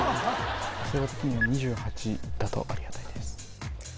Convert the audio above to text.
総合的には２８だとありがたいです